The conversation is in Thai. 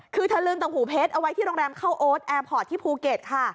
คือเธอลืมตรงหูเพชรเอาไว้ที่โรงแรมเข้าโอ๊ตแอร์พอร์ตที่ภูเก็ตค่ะ